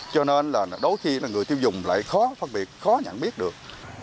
cho nên là đôi khi là người tiêu dùng lại khó phân biệt khó nhận biết được